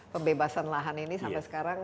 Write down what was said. pembebasan lahan ini sampai sekarang